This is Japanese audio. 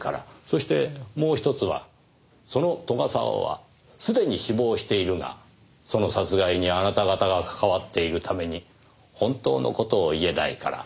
そしてもう一つはその斗ヶ沢はすでに死亡しているがその殺害にあなた方が関わっているために本当の事を言えないから。